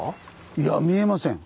いや見えません。